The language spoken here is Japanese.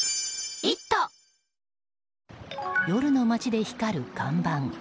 夜の街で光る看板。